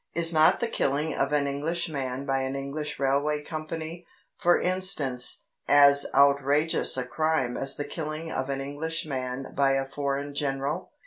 Is not the killing of an Englishman by an English railway company, for instance, as outrageous a crime as the killing of an Englishman by a foreign general?